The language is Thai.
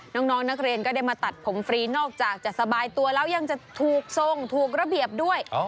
น้องนักเรียนก็ได้มาตัดผมฟรีนอกจากจะสบายตัวแล้วยังจะถูกทรงถูกระเบียบด้วย